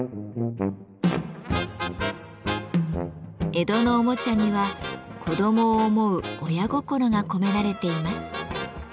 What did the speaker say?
江戸のおもちゃには子どもを思う親心が込められています。